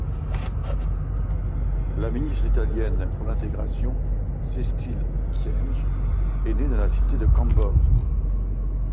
La ministre italienne pour l'Intégration, Cécile Kyenge est née dans la cité de Kambove.